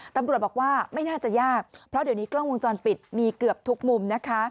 ตำรวจบอกว่าไม่น่าจะยากเพราะเดี๋ยวนี้กล้องวงจรปิดมีเกือบทุกมุมนะคะ